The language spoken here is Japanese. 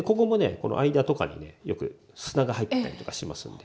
この間とかにねよく砂が入ったりとかしますので。